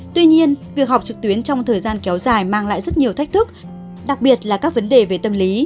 tuy nhiên việc họp trực tuyến trong thời gian kéo dài mang lại rất nhiều thách thức đặc biệt là các vấn đề về tâm lý